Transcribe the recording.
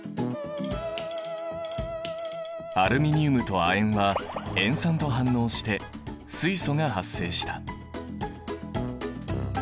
アルミニウムと亜鉛は塩酸と反応して水素が発生した。